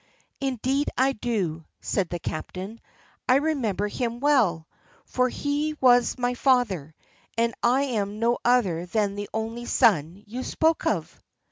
"Indeed I do," said the captain, "I remember him well, for he was my father, and I am no other than the only son you spoke of!"